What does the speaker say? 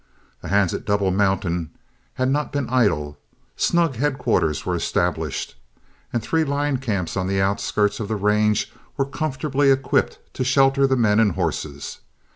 The hands at Double Mountain had not been idle, snug headquarters were established, and three line camps on the outskirts of the range were comfortably equipped to shelter men and horses.